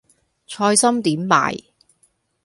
菜心點賣